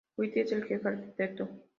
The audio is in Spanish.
White es el jefe arquitecto.